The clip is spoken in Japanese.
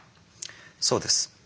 そうです。